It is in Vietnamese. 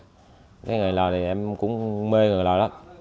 cái nghề lờ thì em cũng mê nghề lờ đó